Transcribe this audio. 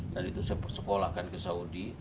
itu saya persekolahkan ke saudi